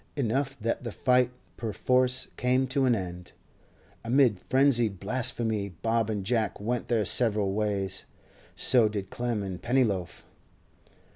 Enough that the fight perforce came to an end. Amid frenzied blasphemy Bob and Jack went their several ways; so did Clem and Pennyloaf.